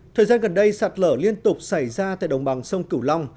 thời gian gần đây sạt lở liên tục xảy ra tại đồng bằng sông cửu long